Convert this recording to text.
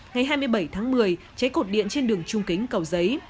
ngày hai mươi bảy tháng một mươi cháy cột điện trên đường trung kính cầu giấy